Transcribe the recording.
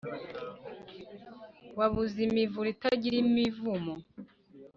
Wabuze imivure itagira imivumo